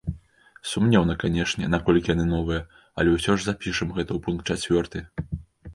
Сумнеўна, канешне, наколькі яны новыя, але ўсё ж запішам гэта ў пункт чацвёрты.